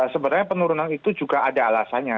sebenarnya penurunan itu juga ada alasannya